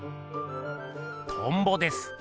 トンボです。